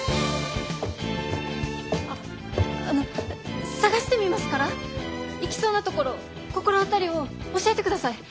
あの捜してみますから行きそうな所心当たりを教えてください！